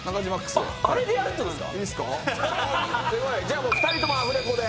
じゃあもう２人ともアフレコで。